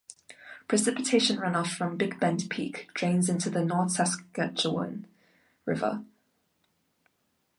Precipitation runoff from Big Bend Peak drains into the North Saskatchewan River.